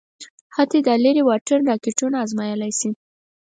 حتی د لېرې واټن راکېټونه ازمايلای شي.